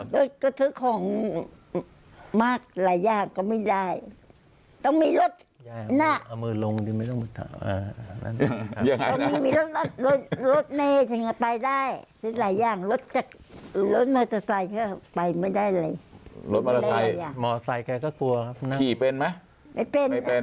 รถก็ซื้อของมากหลายอย่างก็ไม่ได้ต้องมีรถเอามือลงดีไม่ต้องมาถาม